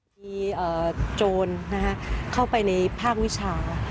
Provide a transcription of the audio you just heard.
มีโจรเข้าไปในภาควิชา